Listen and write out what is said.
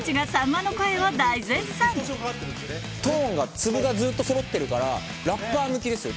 トーンが粒がずっとそろってるからラッパー向きですよ